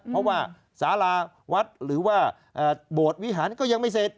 เพราะว่าสาราวัดหรือว่าโบสถ์วิหารก็ยังไม่เสร็จ